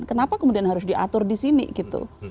kenapa kemudian harus diatur di sini gitu